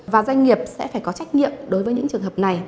và doanh nghiệp sẽ phải có trách nhiệm đối với những trường hợp này